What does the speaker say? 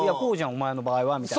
お前の場合は」みたいな。